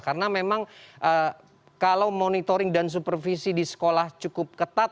karena memang kalau monitoring dan supervisi di sekolah cukup ketat